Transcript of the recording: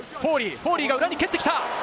フォーリーが裏に蹴ってきた。